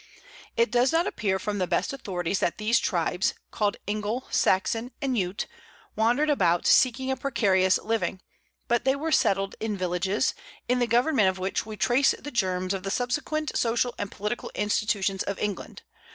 It does not appear from the best authorities that these tribes called Engle, Saxon, and Jute wandered about seeking a precarious living, but they were settled in villages, in the government of which we trace the germs of the subsequent social and political institutions of England.